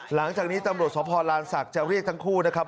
หลังจากนี้ตำรวจสภลานศักดิ์จะเรียกทั้งคู่นะครับ